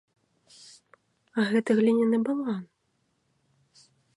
А гэты гліняны балван!